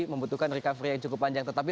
membutuhkan recovery yang cukup panjang tetapi